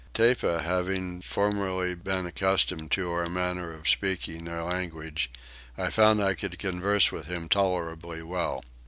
Tepa having formerly been accustomed to our manner of speaking their language I found I could converse with him tolerably well.